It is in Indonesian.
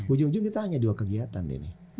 ujung ujung kita hanya dua kegiatan ini